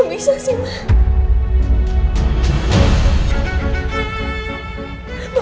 gak bisa sih mama